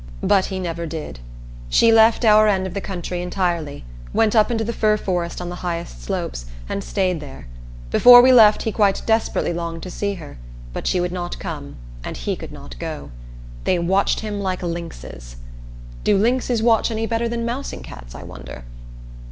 But he never did. She left our end of the country entirely, went up into the fir forest on the highest slopes, and stayed there. Before we left he quite desperately longed to see her, but she would not come and he could not go. They watched him like lynxes. (Do lynxes watch any better than mousing cats, I wonder!)